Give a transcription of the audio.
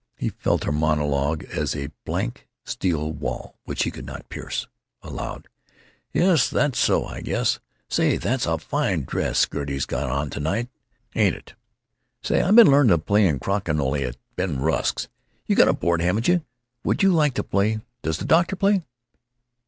He felt her monologue as a blank steel wall which he could not pierce. Aloud: "Yes, that's so, I guess. Say, that's a fine dress Gertie 's got on to night, ain't it.... Say, I been learning to play crokinole at Ben Rusk's. You got a board, haven't you? Would you like to play? Does the doctor play?"